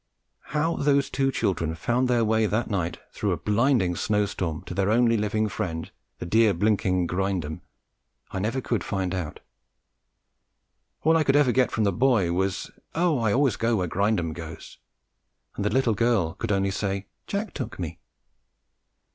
How those two children found their way that night through a blinding snow storm to their only living friend, the dear blinking Grindum, I never could find out. All I could ever get from the boy was, "Oh, I always go where Grindum goes!" and the little girl could only say, "Jack took me."